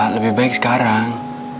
sebaiknya baik sekarang